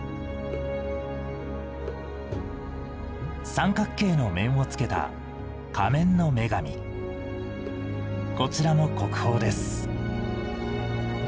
三角形の面をつけたこちらも国宝です。